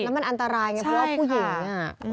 แล้วมันอันตรายไงเพราะว่าผู้หญิง